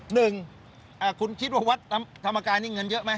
หนึ่งคุณคิดว่าวัดธรรมกายนี่เงินเยอะไหม